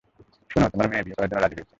শুনো, তোমার মেয়ে বিয়ে, করার জন্য রাজি হয়েছে।